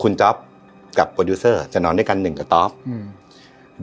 คุณจ๊อปกับจะนอนด้วยกันหนึ่งกะต๊อบอืม